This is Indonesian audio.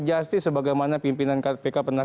justice sebagaimana pimpinan kpk pernah